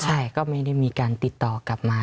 ใช่ก็ไม่ได้มีการติดต่อกลับมา